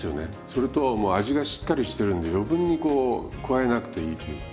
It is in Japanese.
それともう味がしっかりしてるんで余分にこう加えなくていいという。